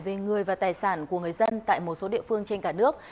về người và tài sản của người dân tại một số địa phương trên cả nước